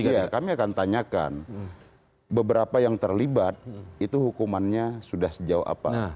iya kami akan tanyakan beberapa yang terlibat itu hukumannya sudah sejauh apa